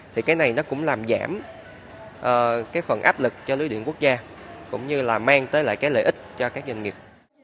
thì cái này nó cũng làm giảm cái phần áp lực cho lưới điện quốc gia cũng như là mang tới lại cái lợi ích cho các doanh nghiệp